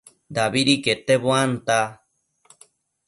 dabidi quete buanta